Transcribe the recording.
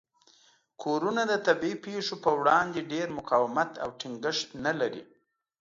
کورونه د طبیعي پیښو په وړاندې ډیر مقاومت او ټینګښت نه لري.